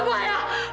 lu gak tahu siapa gue